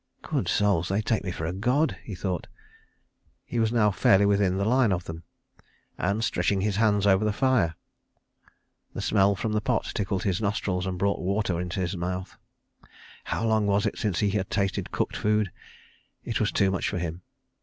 "Good souls, they take me for a God," he thought. He was now fairly within the line of them, and stretching his hands over the fire. The smell from the pot tickled his nostrils and brought water into his mouth. How long was it since he had tasted cooked food? It was too much for him.